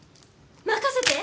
任せて！